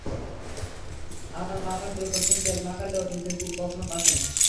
আমার মা আমার চুলে প্রতিদিন তেল মাখালেও, নিজের চুলে কখনো মাখে না।